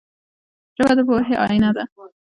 ژبه د پوهې آینه ده